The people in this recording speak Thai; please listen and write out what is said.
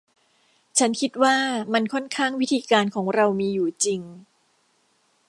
ฉันคิดว่ามันค่อนข้างวิธีการของเรามีอยู่จริง